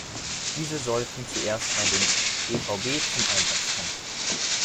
Diese sollen zuerst bei den evb zum Einsatz kommen.